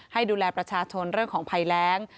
ให้ดูแลประชาชนเรื่องของภัยแรง